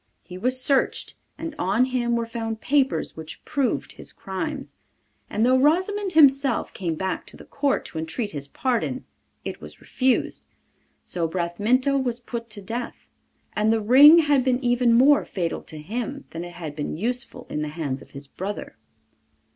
He was searched, and on him were found papers which proved his crimes; and, though Rosimond himself came back to the Court to entreat his pardon, it was refused. So Bramintho was put to death, and the ring had been even more fatal to him than it had been useful in the hands of his brother.